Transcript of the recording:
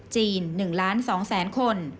จีน๑ล้าน๒แสนคน